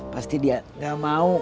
pasti dia gak mau